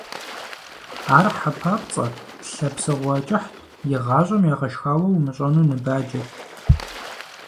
Ар хьэ папцӀэт, лъэ псыгъуэ кӀыхьт, игъащӀэм ягъэшхауэ умыщӀэну ныбаджэт.